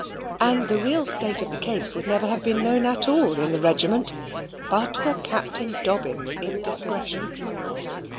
And the real state of the case would never have been known at all in the regiment but for Captain Dobbin's indiscretion.